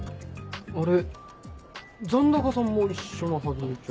あれっ残高さんも一緒のはずじゃ？